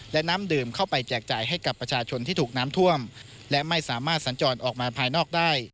และน้ำดื่มเข้าไปแจกจ่ายให้กับประชาชนที่ถูกน้ำท่วมและไม่สามารถสัญจรออกมาภายนอกได้